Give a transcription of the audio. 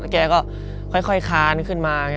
แกก็ค่อยคานขึ้นมา